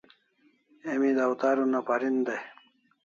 Emi dawtar una parin dai